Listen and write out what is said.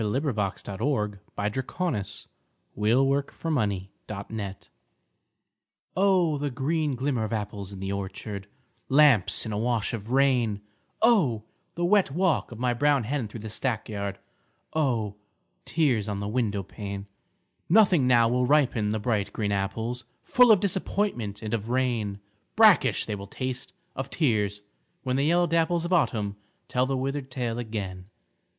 LAWRENCE D. H. LAWRENCE BALLAD OF ANOTHER OPHELIA Oh, the green glimmer of apples in the orchard, Lamps in a wash of rain, Oh, the wet walk of my brown hen through the stackyard, Oh, tears on the window pane! Nothing now will ripen the bright green apples, Full of disappointment and of rain, Brackish they will taste, of tears, when the yellow dapples Of Autumn tell the withered tale again.